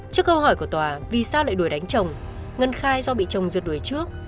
trước câu hỏi của tòa vì sao lại đuổi đánh chồng ngân khai do bị chồng rượt đuổi trước